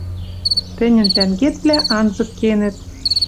Тӹньӹн тӓнгетвлӓ анзык кенӹт.